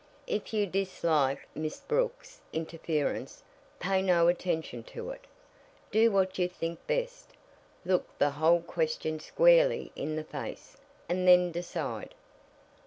If you dislike Miss Brooks' interference, pay no attention to it. Do what you think best. Look the whole question squarely in the face, and then decide."